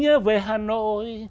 nhớ về hà nội